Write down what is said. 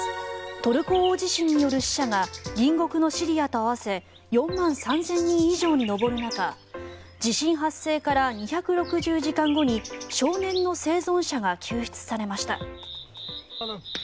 トルコ大地震による死者が隣国シリアと合わせて４万３０００人以上に上る中地震発生から２６０時間後に少年の生存者が救出されました。